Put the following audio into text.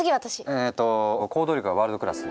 えと行動力はワールドクラス！